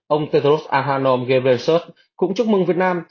ông tedros adhanom ghebreyesus cũng chúc mừng việt nam